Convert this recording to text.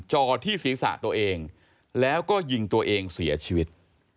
จอดที่ศีรษะตัวเองแล้วก็ยิงตัวเองเสียชีวิต